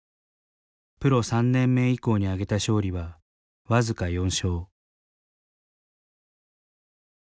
プロ３年目以降にあげた勝利は僅か４勝。